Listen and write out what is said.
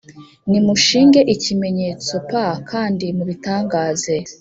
Nimushinge ikimenyetso p kandi mubitangaze